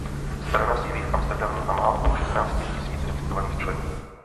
Strana sídlí v Amsterdamu a má okolo šestnácti tisíc registrovaných členů.